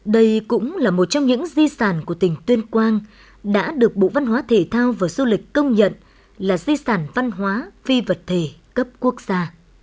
đây cũng là một trong những di sản của tỉnh tuyên quang đã được bộ văn hóa thể thao và du lịch công nhận là di sản văn hóa phi vật thể cấp quốc gia